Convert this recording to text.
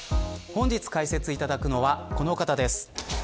本日解説いただくのはこの方です。